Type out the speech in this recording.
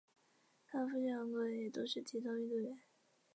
她的父亲和哥哥也都是体操运动员。